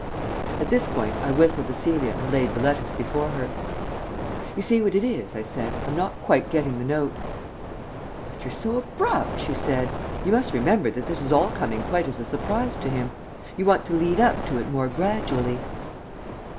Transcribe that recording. At this point I whistled to Celia and laid the letters before her. "You see what it is," I said. "I'm not quite getting the note." "But you're so abrupt," she said. "You must remember that this is all coming quite as a surprise to him. You want to lead up to it more gradually."